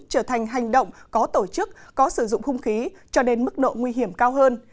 trở thành hành động có tổ chức có sử dụng hung khí cho đến mức độ nguy hiểm cao hơn